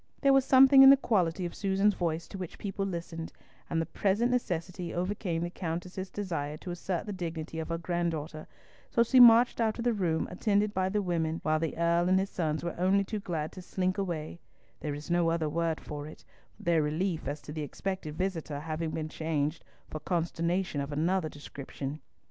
There was something in the quality of Susan's voice to which people listened, and the present necessity overcame the Countess's desire to assert the dignity of her granddaughter, so she marched out of the room attended by the women, while the Earl and his sons were only too glad to slink away—there is no other word for it, their relief as to the expected visitor having been exchanged for consternation of another description.